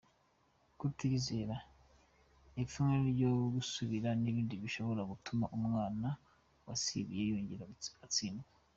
Kutiyizera, ipfunwe ryo gusibira n’ibindi bishobora gutuma umwana wasibiye yongera agatsindwa.